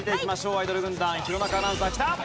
アイドル軍団弘中アナウンサーきた！